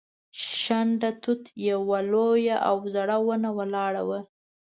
شنډه توت یوه لویه او زړه ونه ولاړه وه.